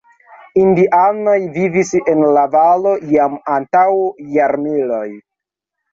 Indianoj vivis en la valo jam antaŭ jarmiloj.